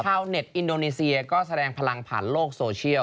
ชาวเน็ตอินโดนีเซียก็แสดงพลังผ่านโลกโซเชียล